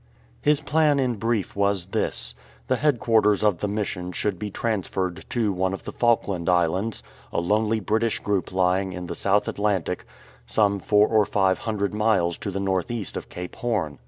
His plan in brief was this. The headquarters of the Mission should be transferred to one of the Falkland Islands, a lonely British group lying in the South Atlantic, some four or five hundred miles to the north east of Cape Horn.